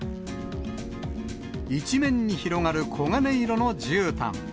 一面に広がる黄金色のじゅうたん。